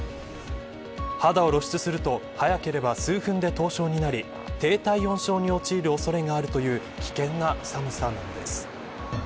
肌を露出すると早ければ数分で凍傷になり低体温症に陥る恐れがあるという危険な寒さなんです。